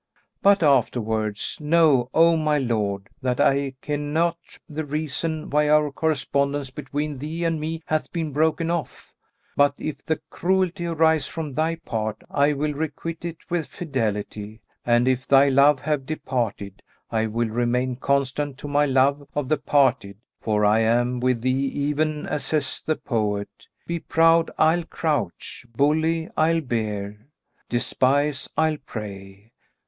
"But afterwards: Know, O my lord! that I ken not the reason why our correspondence between thee and me hath been broken off: but, if the cruelty arise from thy part, I will requite it with fidelity, and if thy love have departed, I will remain constant to my love of the parted, for I am with thee even as says the poet, 'Be proud; I'll crouch! Bully; I'll bear! Despise; I'll pray!